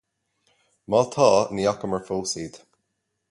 Má tá, ní fhacamar fós iad.